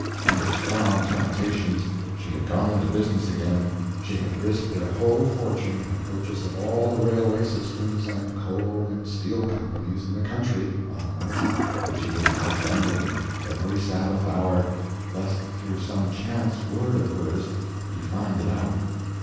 Under strong temptation she had gone into business again; she had risked their whole fortune in a purchase of all the railway systems and coal and steel companies in the country on a margin, and she was now trembling, every Sabbath hour, lest through some chance word of hers he find it out.